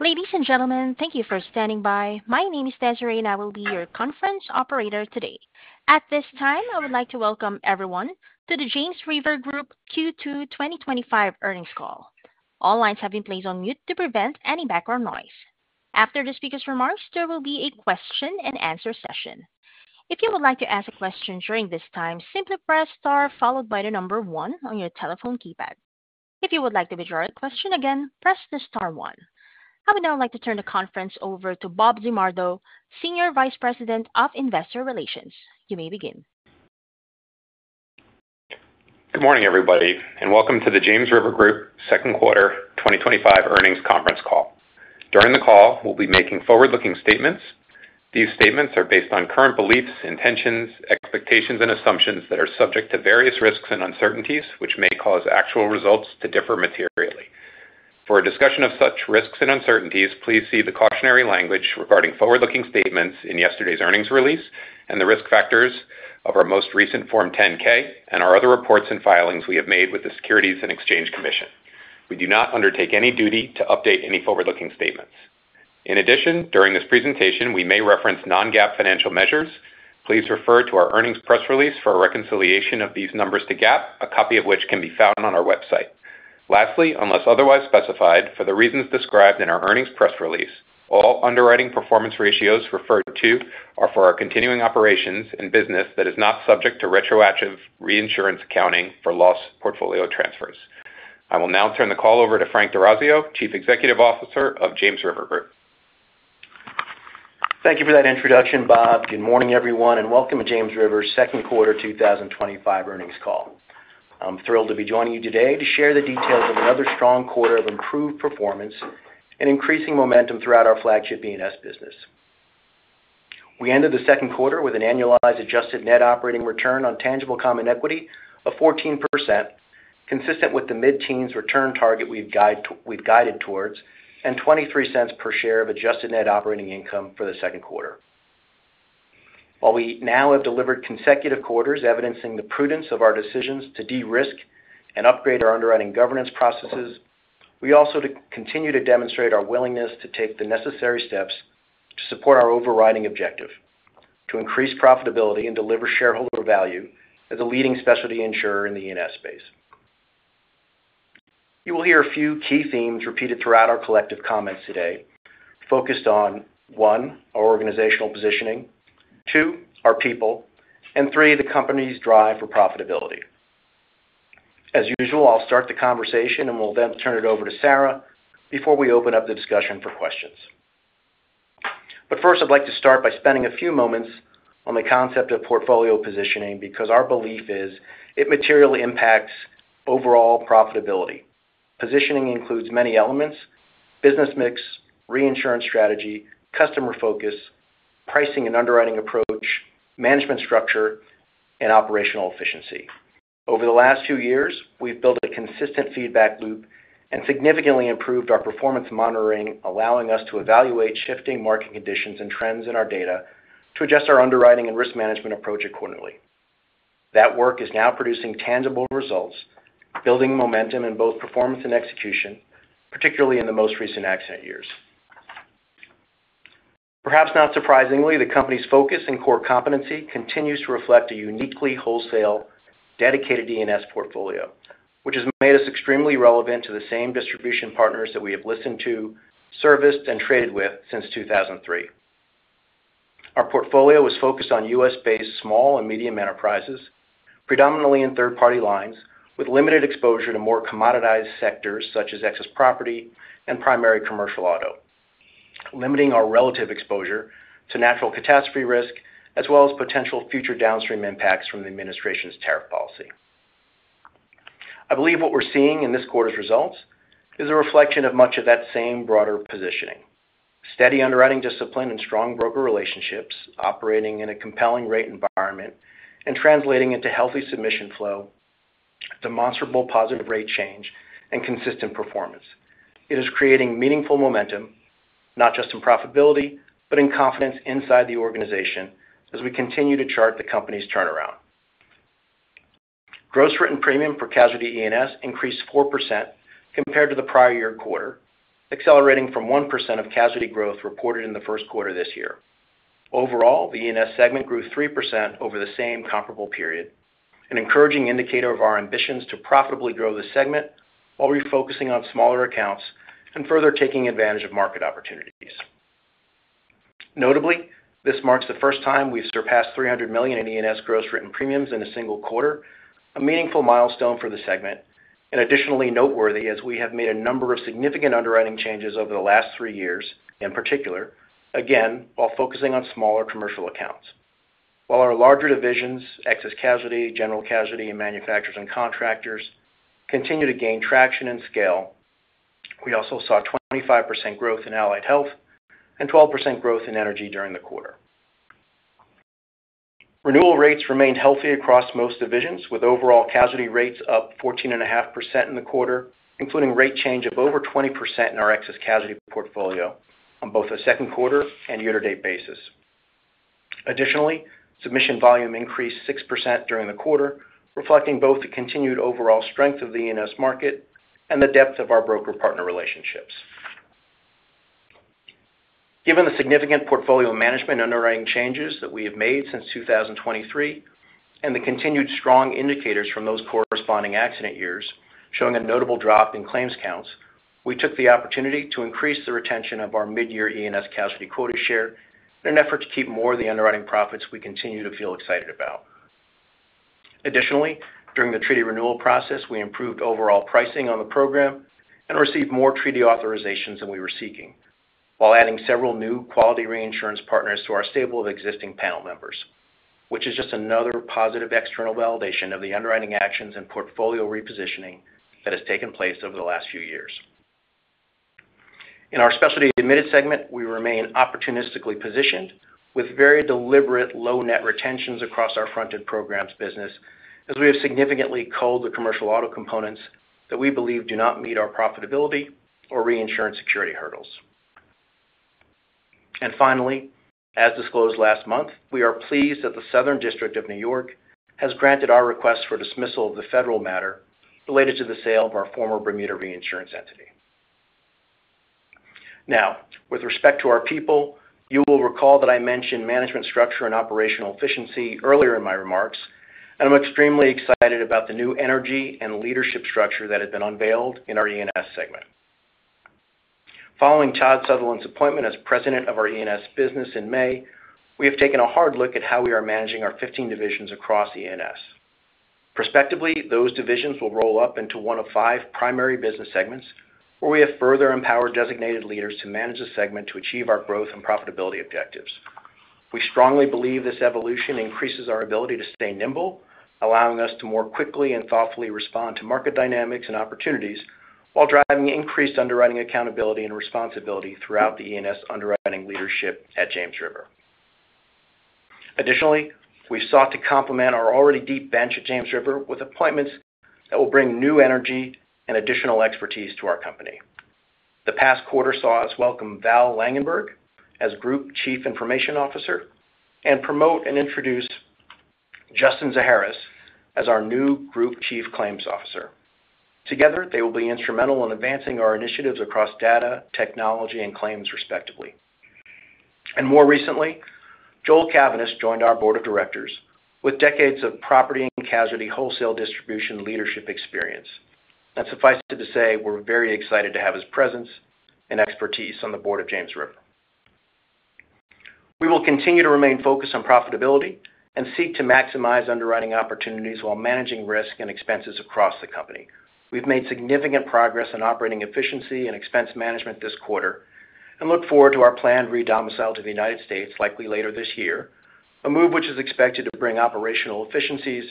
Ladies and gentlemen, thank you for standing by. My name is Desiree, and I will be your conference operator today. At this time, I would like to welcome everyone to the James River Group Holdings Q2 2025 earnings call. All lines have been placed on mute to prevent any background noise. After the speaker's remarks, there will be a question and answer session. If you would like to ask a question during this time, simply press star followed by the number one on your telephone keypad. If you would like to withdraw a question, again press the star one. I would now like to turn the conference over to Bob Zimardo, Senior Vice President of Investor Relations. You may begin. Good morning, everybody, and welcome to the James River Group Holdings Second Quarter 2025 Earnings Conference Call. During the call, we'll be making forward-looking statements. These statements are based on current beliefs, intentions, expectations, and assumptions that are subject to various risks and uncertainties, which may cause actual results to differ materially. For a discussion of such risks and uncertainties, please see the cautionary language regarding forward-looking statements in yesterday's earnings release and the risk factors of our most recent Form 10-K and our other reports and filings we have made with the Securities and Exchange Commission. We do not undertake any duty to update any forward-looking statements. In addition, during this presentation, we may reference non-GAAP financial measures. Please refer to our earnings press release for a reconciliation of these numbers to GAAP, a copy of which can be found on our website. Lastly, unless otherwise specified for the reasons described in our earnings press release, all underwriting performance ratios referred to are for our continuing operations and business that is not subject to retroactive reinsurance accounting for loss portfolio transfers. I will now turn the call over to Frank D'Orazio, Chief Executive Officer of James River Group Holdings. Thank you for that introduction, Bob. Good morning, everyone, and welcome to James River Group Holdings' Second Quarter 2025 Earnings Call. I'm thrilled to be joining you today to share the details of another strong quarter of improved performance and increasing momentum throughout our flagship E&S business. We ended the second quarter with an annualized adjusted net operating return on tangible common equity of 14%, consistent with the mid-teens return target we've guided towards, and $0.23 per share of adjusted net operating income for the second quarter. While we now have delivered consecutive quarters evidencing the prudence of our decisions to de-risk and upgrade our underwriting governance processes, we also continue to demonstrate our willingness to take the necessary steps to support our overriding objective: to increase profitability and deliver shareholder value as a leading specialty insurer in the E&S space. You will hear a few key themes repeated throughout our collective comments today, focused on, one, our organizational positioning, two, our people, and three, the company's drive for profitability. As usual, I'll start the conversation and will then turn it over to Sarah before we open up the discussion for questions. First, I'd like to start by spending a few moments on the concept of portfolio positioning because our belief is it materially impacts overall profitability. Positioning includes many elements: business mix, reinsurance strategy, customer focus, pricing and underwriting approach, management structure, and operational efficiency. Over the last two years, we've built a consistent feedback loop and significantly improved our performance monitoring, allowing us to evaluate shifting market conditions and trends in our data to adjust our underwriting and risk management approach accordingly. That work is now producing tangible results, building momentum in both performance and execution, particularly in the most recent accident years. Perhaps not surprisingly, the company's focus and core competency continues to reflect a uniquely wholesale, dedicated E&S portfolio, which has made us extremely relevant to the same distribution partners that we have listened to, serviced, and traded with since 2003. Our portfolio is focused on U.S.-based small and medium enterprises, predominantly in third-party lines, with limited exposure to more commoditized sectors such as excess property and primary commercial auto, limiting our relative exposure to natural catastrophe risk, as well as potential future downstream impacts from the administration's tariff policy. I believe what we're seeing in this quarter's results is a reflection of much of that same broader positioning: steady underwriting discipline and strong broker relationships, operating in a compelling rate environment, and translating into healthy submission flow, demonstrable positive rate change, and consistent performance. It is creating meaningful momentum, not just in profitability, but in confidence inside the organization as we continue to chart the company's turnaround. Gross written premium for casualty E&S increased 4% compared to the prior year quarter, accelerating from 1% of casualty growth reported in the first quarter this year. Overall, the E&S segment grew 3% over the same comparable period, an encouraging indicator of our ambitions to profitably grow the segment while refocusing on smaller accounts and further taking advantage of market opportunities. Notably, this marks the first time we've surpassed $300 million in E&S gross written premiums in a single quarter, a meaningful milestone for the segment, and additionally noteworthy as we have made a number of significant underwriting changes over the last three years in particular, again while focusing on smaller commercial accounts. While our larger divisions, excess casualty, general casualty, and manufacturers and contractors continue to gain traction and scale, we also saw 25% growth in allied health and 12% growth in energy during the quarter. Renewal rates remained healthy across most divisions, with overall casualty rates up 14.5% in the quarter, including rate change of over 20% in our excess casualty portfolio on both a second quarter and year-to-date basis. Additionally, submission volume increased 6% during the quarter, reflecting both the continued overall strength of the E&S market and the depth of our broker-partner relationships. Given the significant portfolio management underwriting changes that we have made since 2023 and the continued strong indicators from those corresponding accident years, showing a notable drop in claims counts, we took the opportunity to increase the retention of our mid-year E&S casualty quota share in an effort to keep more of the underwriting profits we continue to feel excited about. Additionally, during the treaty renewal process, we improved overall pricing on the program and received more treaty authorizations than we were seeking, while adding several new quality reinsurance partners to our stable of existing panel members, which is just another positive external validation of the underwriting actions and portfolio repositioning that has taken place over the last few years. In our specialty admitted segment, we remain opportunistically positioned with very deliberate low net retentions across our fronted programs business, as we have significantly culled the commercial auto components that we believe do not meet our profitability or reinsurance security hurdles. Finally, as disclosed last month, we are pleased that the Southern District of New York has granted our request for dismissal of the federal matter related to the sale of our former Bermuda reinsurance entity. Now, with respect to our people, you will recall that I mentioned management structure and operational efficiency earlier in my remarks, and I'm extremely excited about the new energy and leadership structure that has been unveiled in our E&S segment. Following Todd Sutherland's appointment as President of our E&S business in May, we have taken a hard look at how we are managing our 15 divisions across E&S. Prospectively, those divisions will roll up into one of five primary business segments, where we have further empowered designated leaders to manage the segment to achieve our growth and profitability objectives. We strongly believe this evolution increases our ability to stay nimble, allowing us to more quickly and thoughtfully respond to market dynamics and opportunities while driving increased underwriting accountability and responsibility throughout the E&S underwriting leadership at James River. Additionally, we've sought to complement our already deep bench at James River with appointments that will bring new energy and additional expertise to our company. The past quarter saw us welcome Val Langenberg as Group Chief Information Officer and promote and introduce Justin Zaharas as our new Group Chief Claims Officer. Together, they will be instrumental in advancing our initiatives across data, technology, and claims, respectively. More recently, Joel Cavaness joined our Board of Directors with decades of property and casualty wholesale distribution leadership experience. Suffice it to say, we're very excited to have his presence and expertise on the Board of James River. We will continue to remain focused on profitability and seek to maximize underwriting opportunities while managing risk and expenses across the company. We've made significant progress in operating efficiency and expense management this quarter and look forward to our planned re-domicile to the United States likely later this year, a move which is expected to bring operational efficiencies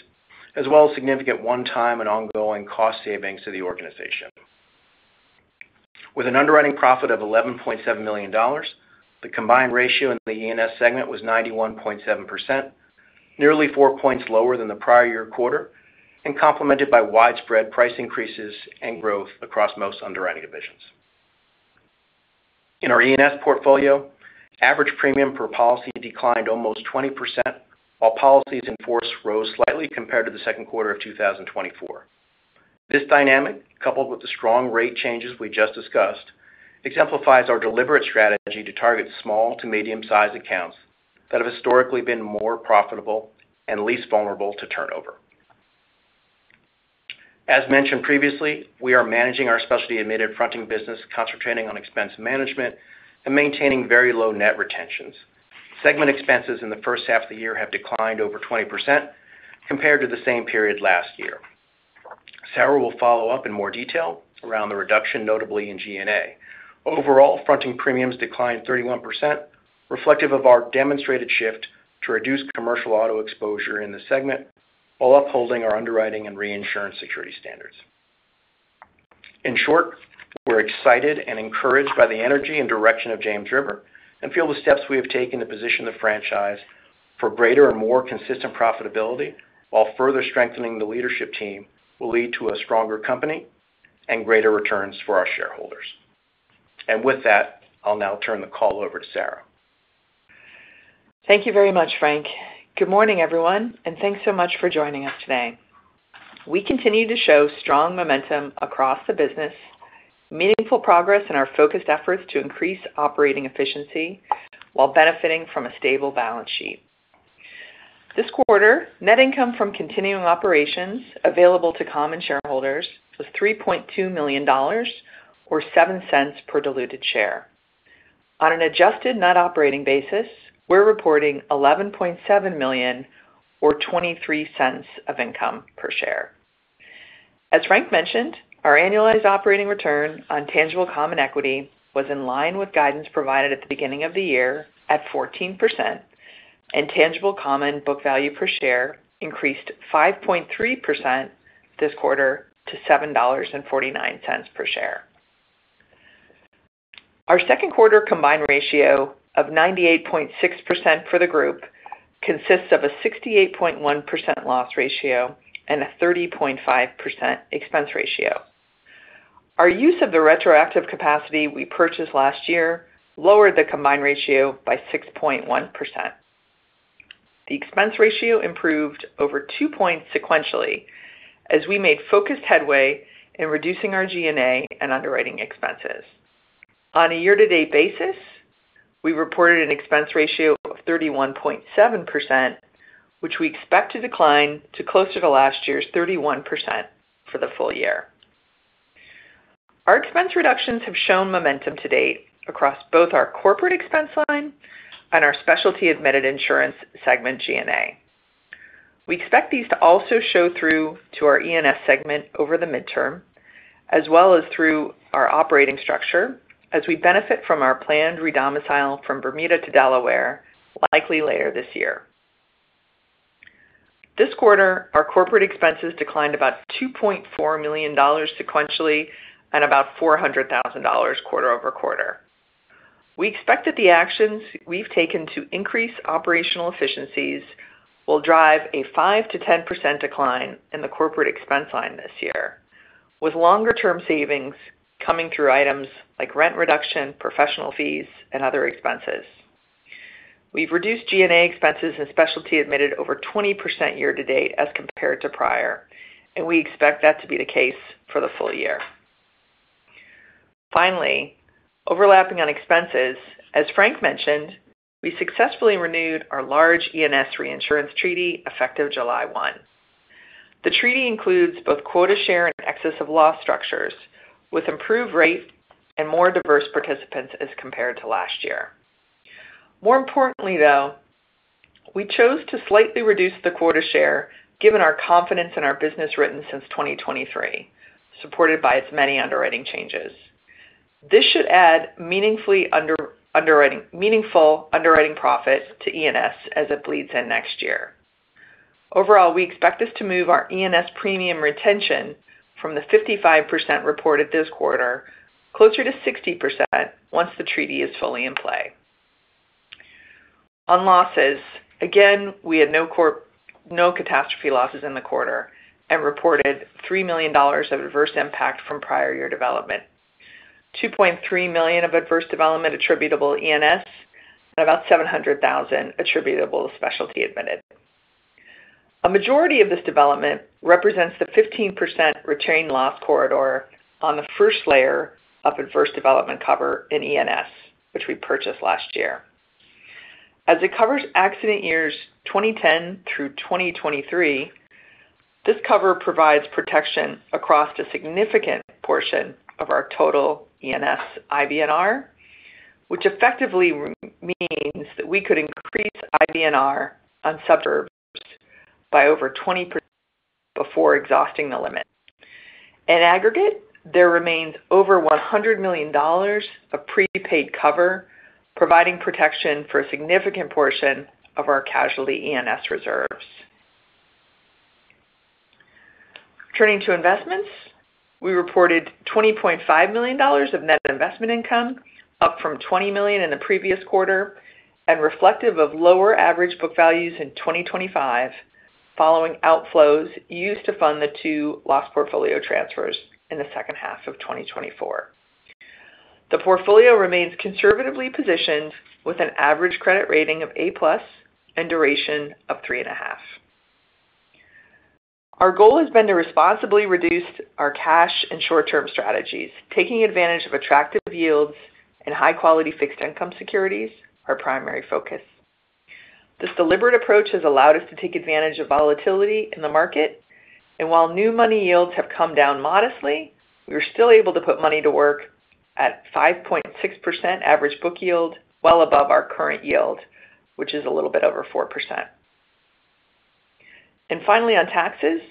as well as significant one-time and ongoing cost savings to the organization. With an underwriting profit of $11.7 million, the combined ratio in the E&S segment was 91.7%, nearly four points lower than the prior year quarter, and complemented by widespread price increases and growth across most underwriting divisions. In our E&S portfolio, average premium per policy declined almost 20%, while policies in force rose slightly compared to the second quarter of 2024. This dynamic, coupled with the strong rate changes we just discussed, exemplifies our deliberate strategy to target small to medium-sized accounts that have historically been more profitable and least vulnerable to turnover. As mentioned previously, we are managing our specialty admitted insurance fronting business, concentrating on expense management and maintaining very low net retentions. Segment expenses in the first half of the year have declined over 20% compared to the same period last year. Sarah will follow up in more detail around the reduction, notably in G&A. Overall, fronting premiums declined 31%, reflective of our demonstrated shift to reduce commercial auto exposure in the segment while upholding our underwriting and reinsurance security standards. In short, we're excited and encouraged by the energy and direction of James River and feel the steps we have taken to position the franchise for greater and more consistent profitability, while further strengthening the leadership team will lead to a stronger company and greater returns for our shareholders. With that, I'll now turn the call over to Sarah. Thank you very much, Frank. Good morning, everyone, and thanks so much for joining us today. We continue to show strong momentum across the business, meaningful progress in our focused efforts to increase operating efficiency while benefiting from a stable balance sheet. This quarter, net income from continuing operations available to common shareholders was $3.2 million, or $0.07 per diluted share. On an adjusted net operating basis, we're reporting $11.7 million, or $0.23 of income per share. As Frank mentioned, our annualized operating return on tangible common equity was in line with guidance provided at the beginning of the year at 14%, and tangible common book value per share increased 5.3% this quarter to $7.49 per share. Our second quarter combined ratio of 98.6% for the group consists of a 68.1% loss ratio and a 30.5% expense ratio. Our use of the retroactive capacity we purchased last year lowered the combined ratio by 6.1%. The expense ratio improved over two points sequentially as we made focused headway in reducing our G&A and underwriting expenses. On a year-to-date basis, we reported an expense ratio of 31.7%, which we expect to decline to closer to last year's 31% for the full year. Our expense reductions have shown momentum to date across both our corporate expense line and our specialty admitted insurance segment G&A. We expect these to also show through to our E&S segment over the midterm, as well as through our operating structure, as we benefit from our planned re-domicile from Bermuda to Delaware likely later this year. This quarter, our corporate expenses declined about $2.4 million sequentially and about $400,000 quarter over quarter. We expect that the actions we've taken to increase operational efficiencies will drive a 5% to 10% decline in the corporate expense line this year, with longer-term savings coming through items like rent reduction, professional fees, and other expenses. We've reduced G&A expenses in specialty admitted over 20% year to date as compared to prior, and we expect that to be the case for the full year. Finally, overlapping on expenses, as Frank mentioned, we successfully renewed our large E&S reinsurance treaty effective July 1. The treaty includes both quota share and excess of loss structures, with improved rate and more diverse participants as compared to last year. More importantly, though, we chose to slightly reduce the quota share given our confidence in our business written since 2023, supported by its many underwriting changes. This should add meaningful underwriting profits to E&S as it bleeds in next year. Overall, we expect this to move our E&S premium retention from the 55% reported this quarter closer to 60% once the treaty is fully in play. On losses, again, we had no catastrophe losses in the quarter and reported $3 million of adverse impact from prior year development, $2.3 million of adverse development attributable to E&S, and about $700,000 attributable to specialty admitted. A majority of this development represents the 15% retained loss corridor on the first layer of adverse development cover in E&S, which we purchased last year. As it covers accident years 2010 through 2023, this cover provides protection across a significant portion of our total E&S IBNR, which effectively means that we could increase IBNR on sub-surp by over 20% before exhausting the limit. In aggregate, there remains over $100 million of prepaid cover, providing protection for a significant portion of our casualty E&S reserves. Turning to investments, we reported $20.5 million of net investment income, up from $20 million in the previous quarter and reflective of lower average book values in 2025, following outflows used to fund the two loss portfolio transfers in the second half of 2024. The portfolio remains conservatively positioned with an average credit rating of A+ and duration of three and a half. Our goal has been to responsibly reduce our cash and short-term strategies, taking advantage of attractive yields and high-quality fixed income securities, our primary focus. This deliberate approach has allowed us to take advantage of volatility in the market, and while new money yields have come down modestly, we were still able to put money to work at 5.6% average book yield, well above our current yield, which is a little bit over 4%. Finally, on taxes,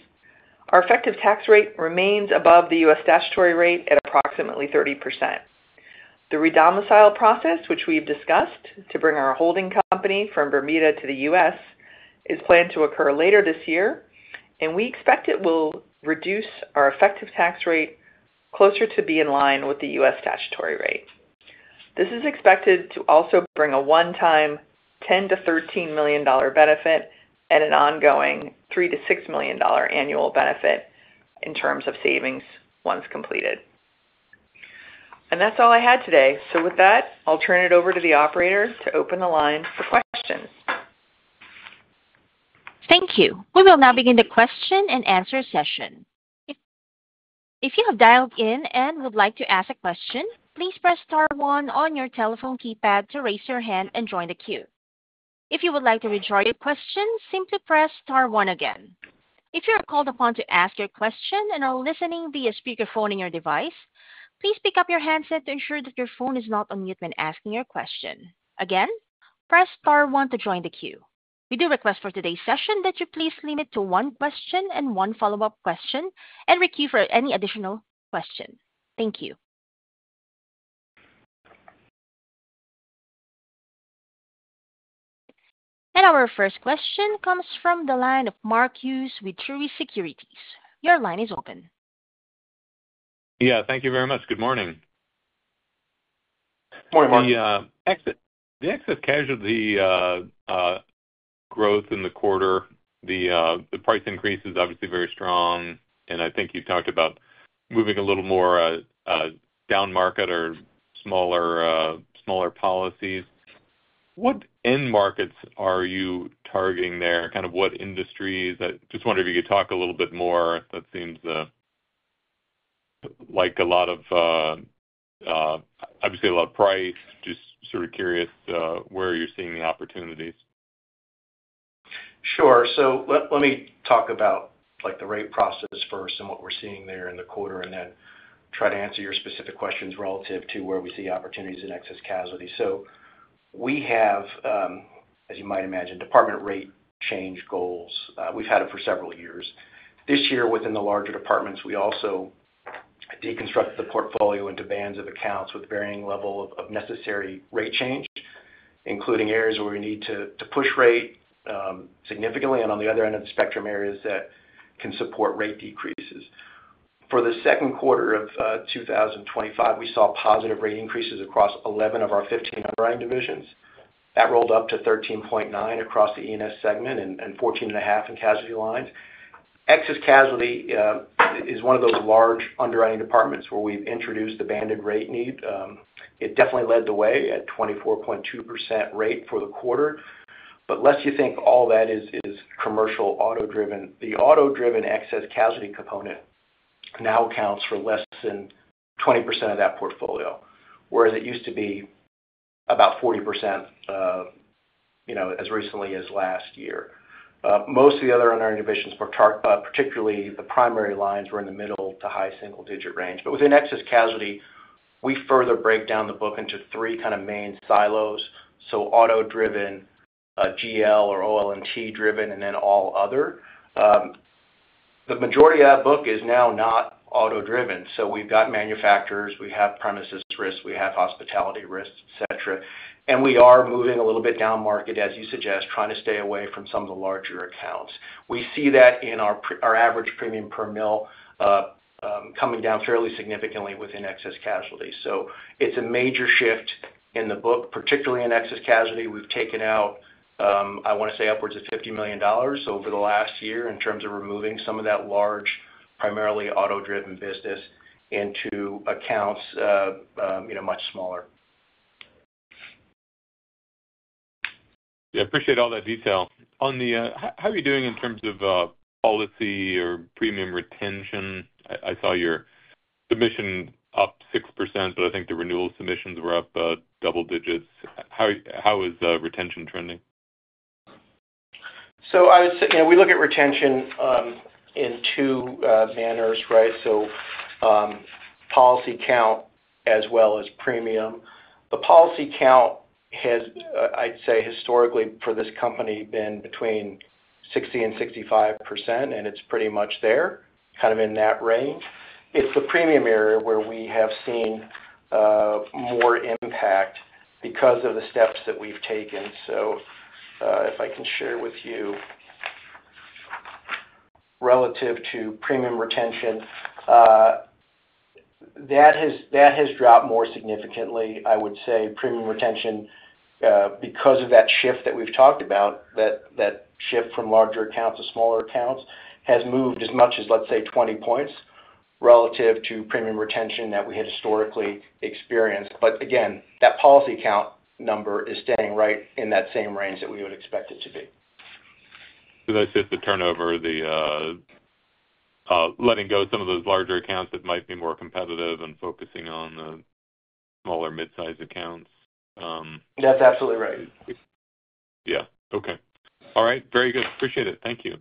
our effective tax rate remains above the U.S. statutory rate at approximately 30%. The re-domicile process, which we've discussed to bring our holding company from Bermuda to the U.S., is planned to occur later this year, and we expect it will reduce our effective tax rate closer to be in line with the U.S. statutory rate. This is expected to also bring a one-time $10 million to $13 million benefit and an ongoing $3 million to $6 million annual benefit in terms of savings once completed. That's all I had today. With that, I'll turn it over to the operators to open the line for questions. Thank you. We will now begin the question and answer session. If you have dialed in and would like to ask a question, please press star one on your telephone keypad to raise your hand and join the queue. If you would like to withdraw your question, simply press star one again. If you are called upon to ask your question and are listening via speakerphone in your device, please pick up your handset to ensure that your phone is not on mute when asking your question. Again, press star one to join the queue. We do request for today's session that you please limit to one question and one follow-up question and re-queue for any additional question. Thank you. Our first question comes from the line of Mark Hughes with Truist Securities. Your line is open. Thank you very much. Good morning. Morning, Mark. The excess casualty growth in the quarter, the price increase is obviously very strong, and I think you talked about moving a little more down market or smaller policies. What end markets are you targeting there? What industries? I just wonder if you could talk a little bit more. That seems like a lot of, obviously a lot of price. Just sort of curious where you're seeing the opportunities. Sure. Let me talk about the rate process first and what we're seeing there in the quarter, and then try to answer your specific questions relative to where we see opportunities in excess casualty. We have, as you might imagine, department rate change goals. We've had it for several years. This year, within the larger departments, we also deconstruct the portfolio into bands of accounts with varying levels of necessary rate change, including areas where we need to push rate significantly and, on the other end of the spectrum, areas that can support rate decreases. For the second quarter of 2025, we saw positive rate increases across 11 of our 15 drawing divisions. That rolled up to 13.9% across the E&S segment and 14.5% in casualty lines. Excess casualty is one of those large underwriting departments where we've introduced the banded rate need. It definitely led the way at a 24.2% rate for the quarter. Lest you think all that is commercial auto driven, the auto driven excess casualty component now accounts for less than 20% of that portfolio, whereas it used to be about 40%, as recently as last year. Most of the other underwriting divisions, particularly the primary lines, were in the middle to high single-digit range. Within excess casualty, we further break down the book into three main silos: auto driven, GL or OL&T driven, and then all other. The majority of that book is now not auto driven. We've got manufacturers, we have premises risks, we have hospitality risks, etc. We are moving a little bit down market, as you suggest, trying to stay away from some of the larger accounts. We see that in our average premium per mill coming down fairly significantly within excess casualty. It's a major shift in the book, particularly in excess casualty. We've taken out, I want to say, upwards of $50 million over the last year in terms of removing some of that large, primarily auto driven business into accounts much smaller. I appreciate all that detail. On the, how are you doing in terms of policy or premium retention? I saw your submission up 6%, but I think the renewal submissions were up double digits. How is retention trending? I would say, you know, we look at retention in two manners, right? Policy count as well as premium. The policy count has, I'd say, historically for this company been between 60% and 65%, and it's pretty much there, kind of in that range. It's the premium area where we have seen more impact because of the steps that we've taken. If I can share with you relative to premium retention, that has dropped more significantly. I would say premium retention, because of that shift that we've talked about, that shift from larger accounts to smaller accounts, has moved as much as, let's say, 20 points relative to premium retention that we had historically experienced. Again, that policy count number is staying right in that same range that we would expect it to be. That is just the turnover, the letting go of some of those larger accounts that might be more competitive and focusing on the smaller mid-size accounts. That's absolutely right. Okay. All right. Very good. Appreciate it. Thank you.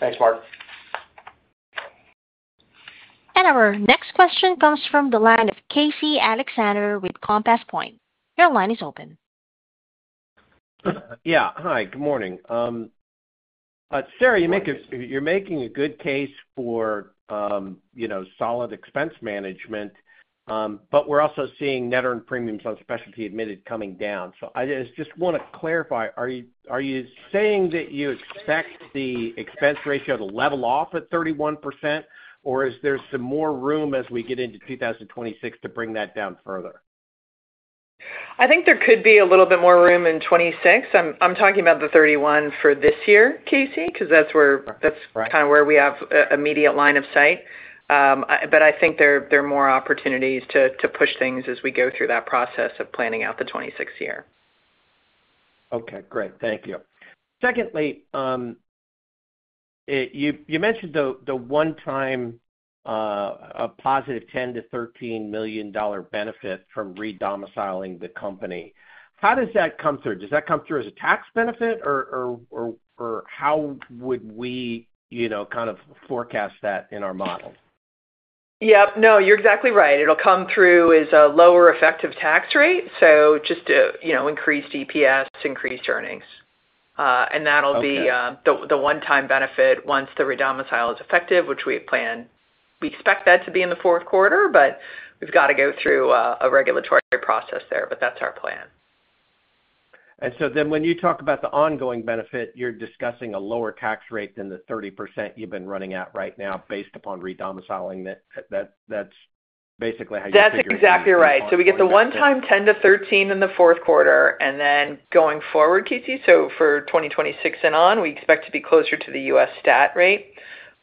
Thanks, Mark. Our next question comes from the line of Casey Alexander with Compass Point. Your line is open. Yeah. Hi. Good morning. Sarah, you're making a good case for, you know, solid expense management, but we're also seeing net earned premiums on specialty admitted coming down. I just want to clarify, are you saying that you expect the expense ratio to level off at 31%, or is there some more room as we get into 2026 to bring that down further? I think there could be a little bit more room in 2026. I'm talking about the 31% for this year, Casey, because that's kind of where we have immediate line of sight. I think there are more opportunities to push things as we go through that process of planning out the 2026 year. Okay. Great. Thank you. Secondly, you mentioned the one-time positive $10 million to $13 million benefit from re-domiciling the company. How does that come through? Does that come through as a tax benefit, or how would we, you know, kind of forecast that in our model? Yeah, no, you're exactly right. It'll come through as a lower effective tax rate. Just to, you know, increase EPS, increase earnings. That'll be the one-time benefit once the re-domicile is effective, which we plan. We expect that to be in the fourth quarter. We've got to go through a regulatory process there, but that's our plan. When you talk about the ongoing benefit, you're discussing a lower tax rate than the 30% you've been running at right now based upon re-domiciling that. That's basically how you're saying it. That's exactly right. We get the one-time $10 to $13 million in the fourth quarter. Going forward, Casey, for 2026 and on, we expect to be closer to the U.S. stat rate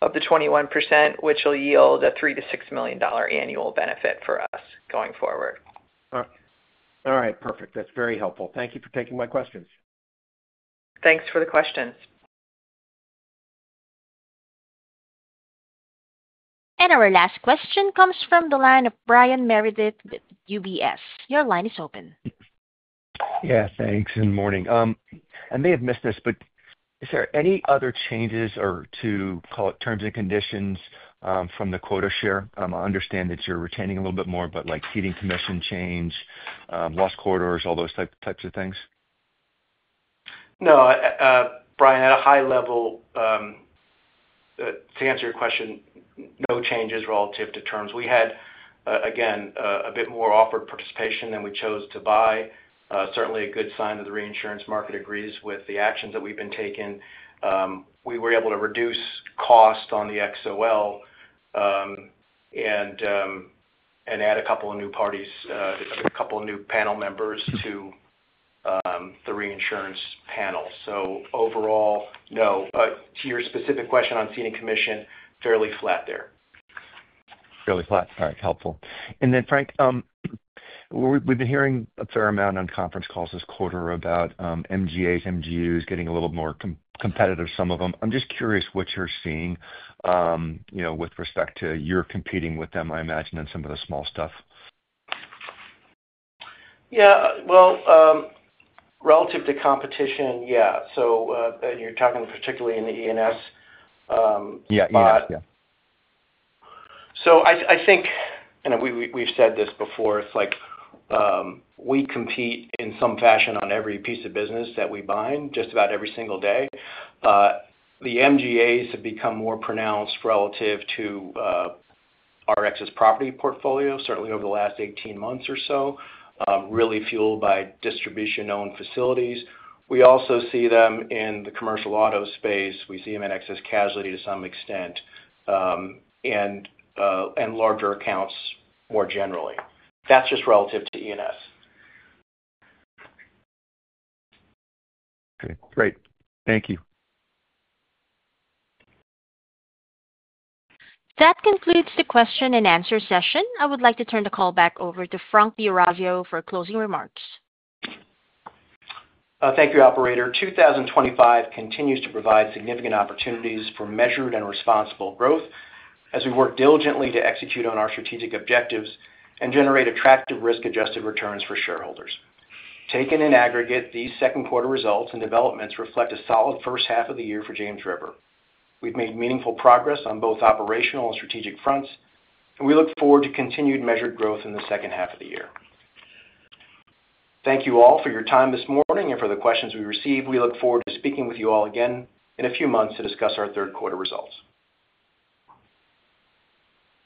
of 21%, which will yield a $3 to $6 million annual benefit for us going forward. All right. Perfect. That's very helpful. Thank you for taking my questions. Thanks for the questions. Our last question comes from the line of Brian Meredith with UBS. Your line is open. Yeah, thanks. Good morning. I may have missed this, but is there any other changes or to call it terms and conditions from the quota share? I understand that you're retaining a little bit more, but like ceding commission change, loss corridors, all those types of things? No, Brian, at a high level, to answer your question, no changes relative to terms. We had, again, a bit more offered participation than we chose to buy. Certainly, a good sign that the reinsurance market agrees with the actions that we've been taking. We were able to reduce cost on the XOL and add a couple of new parties, a couple of new panel members to the reinsurance panel. Overall, no. To your specific question on ceding commission, fairly flat there. Fairly flat. All right. Helpful. Frank, we've been hearing a fair amount on conference calls this quarter about MGAs, MGUs getting a little more competitive, some of them. I'm just curious what you're seeing with respect to your competing with them, I imagine, in some of the small stuff. Yeah, relative to competition, yeah, you're talking particularly in the E&S? Yeah, E&S. Yeah. I think, and we've said this before, it's like we compete in some fashion on every piece of business that we bind just about every single day. The MGAs have become more pronounced relative to our excess property portfolio, certainly over the last 18 months or so, really fueled by distribution-owned facilities. We also see them in the commercial auto space. We see them in excess casualty to some extent and larger accounts more generally. That's just relative to E&S. Okay. Great. Thank you. That concludes the question and answer session. I would like to turn the call back over to Frank D'Orazio for closing remarks. Thank you, operator. 2025 continues to provide significant opportunities for measured and responsible growth as we work diligently to execute on our strategic objectives and generate attractive risk-adjusted returns for shareholders. Taken in aggregate, these second quarter results and developments reflect a solid first half of the year for James River Group Holdings. We've made meaningful progress on both operational and strategic fronts, and we look forward to continued measured growth in the second half of the year. Thank you all for your time this morning and for the questions we received. We look forward to speaking with you all again in a few months to discuss our third quarter results.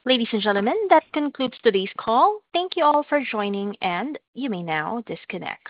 Ladies and gentlemen, that concludes today's call. Thank you all for joining, and you may now disconnect.